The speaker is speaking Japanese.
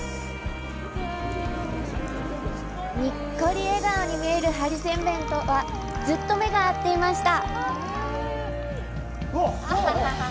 にっこり笑顔のハリセンボンとはずっと目が合っていました。